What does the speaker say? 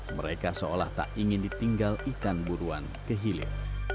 mereka seolah tak ingin ditinggal ikan buruan kehilir